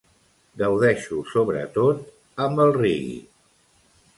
Gaudeixo sobretot amb el reggae.